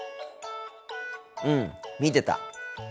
うん見てた。